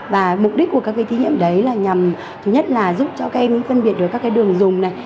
và mục đích của các thí nghiệm đấy là nhằm thứ nhất là giúp cho các em phân biệt được các cái đường dùng này